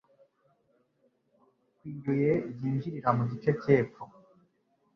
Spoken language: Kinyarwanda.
Ku ibuye ryinjirira mu gice cy’epfo